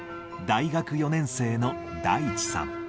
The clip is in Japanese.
大学４年生の大智さん。